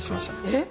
えっ？